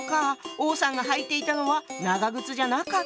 王さんが履いていたのは長靴じゃなかった。